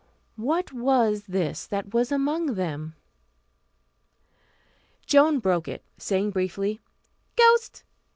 What was this that was among them? Joan broke it, saying briefly, "Ghost.